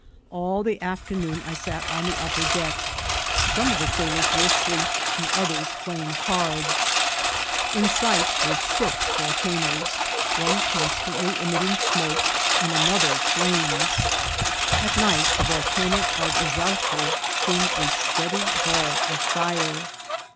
All the afternoon I sat on the upper deck. Some of the sailors were asleep and others playing cards. In sight were six volcanoes ; one constantly emitting smoke, and an other flames. At night the Volcano of Izalco seemed a steady baU of fire.